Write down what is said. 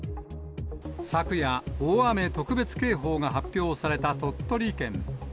昨夜、大雨特別警報が発表された鳥取県。